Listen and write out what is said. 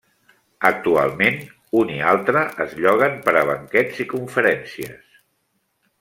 Actualment, un i altre es lloguen per a banquets i conferències.